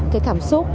cái cảm xúc